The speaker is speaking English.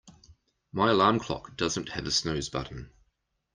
My alarm clock doesn't have a snooze button.